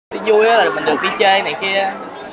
thì vui là mình được đi chơi này kia